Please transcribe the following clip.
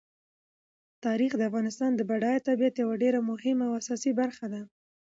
تاریخ د افغانستان د بډایه طبیعت یوه ډېره مهمه او اساسي برخه ده.